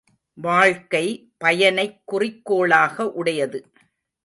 வாழ்க்கை, பயனைக் குறிக்கோளாக உடையது.